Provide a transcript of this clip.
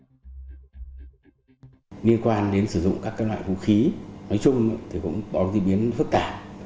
điều này đặt ra đoạn hỏi phải sửa đổi luật quản lý sử dụng vũ khí vật liệu nổ công cụ hỗ trợ